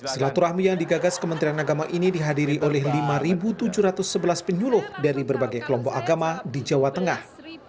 silaturahmi yang digagas kementerian agama ini dihadiri oleh lima tujuh ratus sebelas penyuluh dari berbagai kelompok agama di jawa tengah